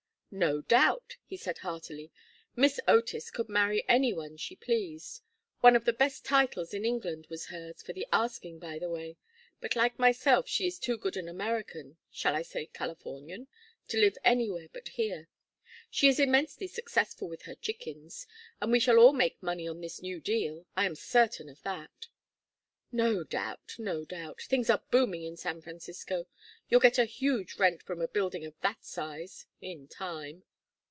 "No doubt!" he said, heartily. "Miss Otis could marry any one she pleased. One of the best titles in England was hers for the asking, by the way. But like myself she is too good an American shall I say Californian? to live anywhere but here. She is immensely successful with her chickens, and we shall all make money on this new deal I am certain of that." "No doubt, no doubt. Things are booming in San Francisco. You'll get a huge rent from a building of that size in time.